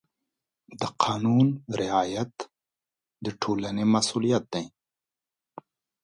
د قانون رعایت د ټولنې مسؤلیت دی.